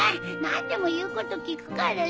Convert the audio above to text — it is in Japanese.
何でも言うこと聞くからさ。